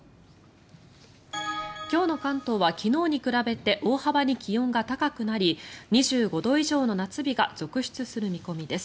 今日の関東は昨日に比べて大幅に気温が高くなり２５度以上の夏日が続出する見込みです。